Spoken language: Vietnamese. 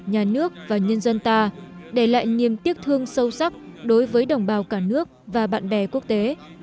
nhà nước và nhân dân ta để lại niềm tiếc thương sâu sắc đối với đồng bào cả nước và bạn bè quốc tế